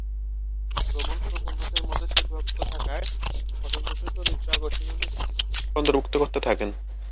Romance উপন্যাসের মধ্যে সীমাবদ্ধ থাকায় পছন্দসই চরিত্র ও আকর্ষণীয় নেতৃত্বের ব্যক্তিকে অন্তর্ভুক্ত করতে থাকেন।